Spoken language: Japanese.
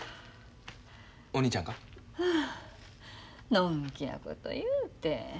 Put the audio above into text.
のんきなこと言うて。